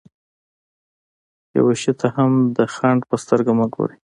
يوه شي ته هم د خنډ په سترګه مه ګورئ.